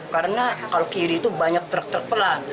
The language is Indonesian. karena kalau kiri itu banyak truk truk pelan